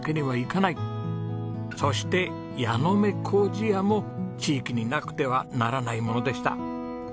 そして矢ノ目糀屋も地域になくてはならないものでした。